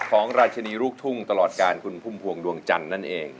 ของราชินีลูกทุ่งตลอดการคุณพุ่มพวงดวงจันทร์นั่นเอง